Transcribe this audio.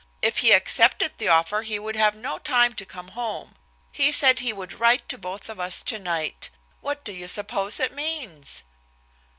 If he accepted the offer he would have no time to come home. He said he would write to both of us tonight. What do you suppose it means?"